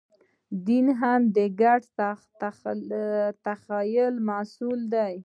دین هم د ګډ تخیل محصول دی.